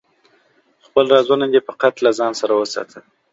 خپل رازونه دی فقط له ځانه سره وساته